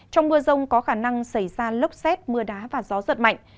trong mưa rông có khả năng xảy ra lốc xét mưa đá và gió giật mạnh